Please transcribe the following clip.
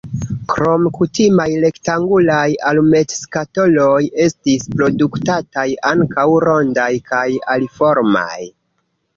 Krom kutimaj rektangulaj alumetskatoloj estis produktataj ankaŭ rondaj kaj aliformaj.